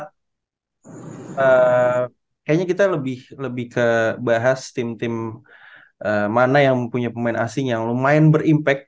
kayaknya kita lebih ke bahas tim tim mana yang mempunyai pemain asing yang lumayan berimpact